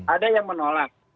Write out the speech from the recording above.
ada yang menolak